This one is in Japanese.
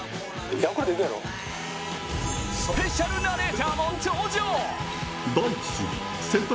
スペシャルナレーターも登場。